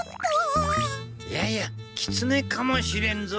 いやいやキツネかもしれんぞ。